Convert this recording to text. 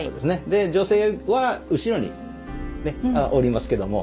で女性は後ろにおりますけども。